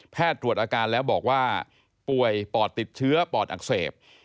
ตรวจอาการแล้วบอกว่าป่วยปอดติดเชื้อปอดอักเสบ